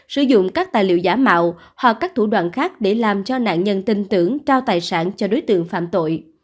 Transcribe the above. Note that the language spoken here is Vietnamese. sử dụng các tài liệu giả mạo hoặc các thủ đoạn khác để làm cho nạn nhân tin tưởng trao tài sản cho đối tượng phạm tội